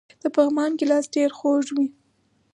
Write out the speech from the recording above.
د پغمان ګیلاس ډیر خوږ وي.